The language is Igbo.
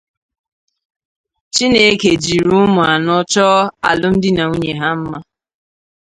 Chineke jiri ụmụ anọ chọọ alụmdinanwunye ha nma.